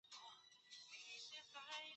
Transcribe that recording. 现为铁路交会点和商业中心。